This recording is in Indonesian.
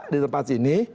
di tempat ini